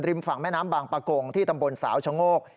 ฝั่งแม่น้ำบางประกงที่ตำบลสาวชะโงก